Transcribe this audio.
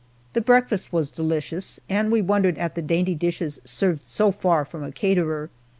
The breakfast was delicious, and we wondered at the dainty dishes served so far from a caterer.